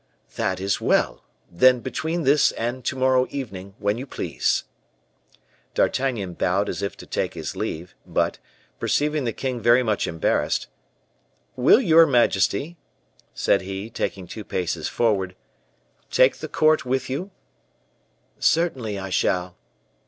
"That is well. Then between this and to morrow evening, when you please." D'Artagnan bowed as if to take his leave; but, perceiving the king very much embarrassed, "Will you majesty," said he, stepping two paces forward, "take the court with you?" "Certainly I shall."